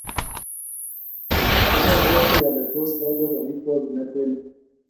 Komabwati ale tos laldos amitwogik netee ni.